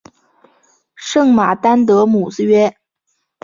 圣马丹德姆约。